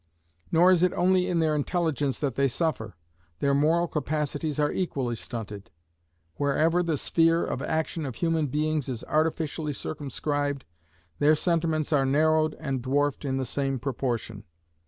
Nor is it only in their intelligence that they suffer. Their moral capacities are equally stunted. Wherever the sphere of action of human beings is artificially circumscribed, their sentiments are narrowed and dwarfed in the same proportion.